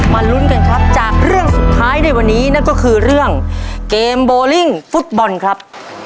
ลุ้นกันครับจากเรื่องสุดท้ายในวันนี้นั่นก็คือเรื่องเกมโบลิ่งฟุตบอลครับ